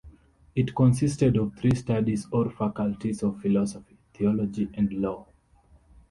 It consisted of three studies or faculties of philosophy, theology, and law.